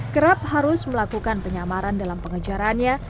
kerap harus melakukan penyamaran dalam pengejarannya